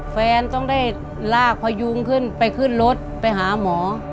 แฟนต้องได้ลากพยุงขึ้นไปขึ้นรถไปหาหมอ